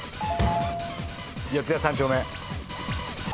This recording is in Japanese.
四谷三丁目。